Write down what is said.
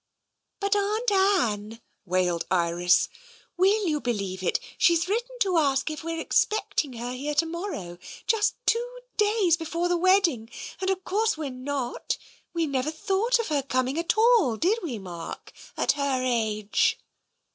" But Aunt Anne !" wailed Iris. " Will you believe it, she's written to ask if we're expecting her here to morrow — just two days before the wedding. And, of course, we're not. We never thought of her coming at all, did we, Mark, at her age?